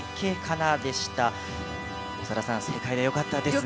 長田さん正解でよかったですね。